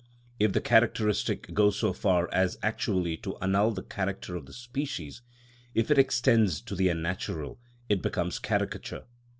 If the characteristic goes so far as actually to annul the character of the species, if it extends to the unnatural, it becomes caricature.